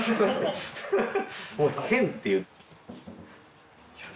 もう変っていういや